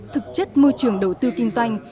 thực chất môi trường đầu tư kinh doanh